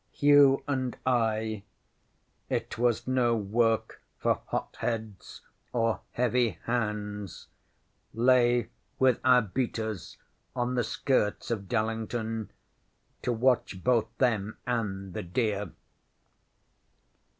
Hugh and I it was no work for hot heads or heavy hands lay with our beaters on the skirts of Dallington to watch both them and the deer.